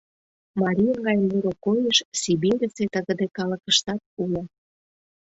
Марийын гай муро койыш Сибирьысе тыгыде калыкыштат уло.